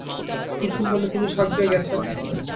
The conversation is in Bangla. কুসুম বলে, তিনি সগ্যে গেছেন।